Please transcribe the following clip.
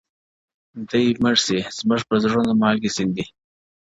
دي مړ سي _ زموږ پر زړونو مالگې سيندي __